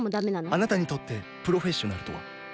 あなたにとってプロフェッショナルとは？